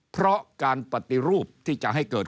เพราะการปฏิรูปที่จะให้เกิด